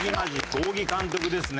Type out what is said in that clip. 仰木監督ですね。